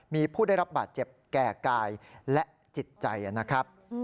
มีผู้ได้รับบาดเจ็บแก่กายและจิตใจนะครับ